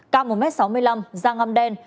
cao một m sáu mươi năm ra ngâm đen